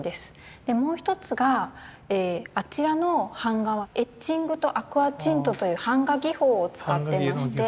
でもう一つがあちらの版画はエッチングとアクアチントという版画技法を使ってまして。